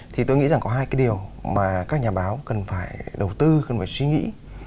thì tôi nghĩ rằng có hai cái điều mà các nhà báo cần phải đầu tư cần phải suy nghĩ